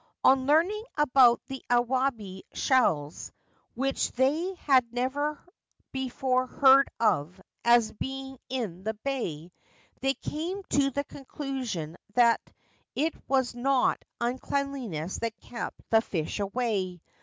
On learning about the awabi shells, which they had never before heard of as being in the bay, they came to the conclusion that it was not uncleanness that kept the fish away.